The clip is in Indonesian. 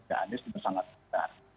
aneh sudah sangat besar